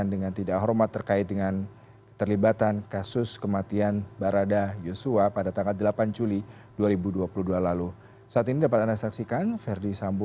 dari polri terkait dengan jabatan dan posisi verdi sambo